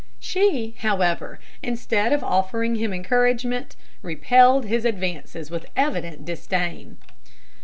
She, however, instead of offering him encouragement, repelled his advances with evident disdain.